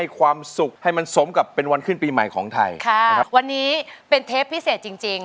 ค่ะวันนี้เป็นเทปพิเศษจริง